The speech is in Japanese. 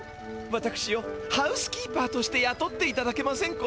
わたくしをハウスキーパーとしてやとっていただけませんこと？